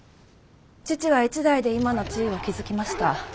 父は一代で今の地位を築きました。